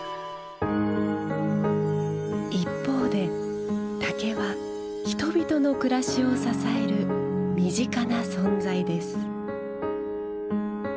一方で竹は人々の暮らしを支える身近な存在です。